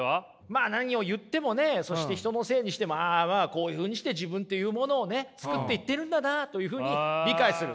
まあ何を言ってもねそして人のせいにしてもああまあこういうふうにして自分というものをね作っていっているんだなというふうに理解する。